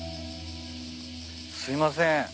すいません。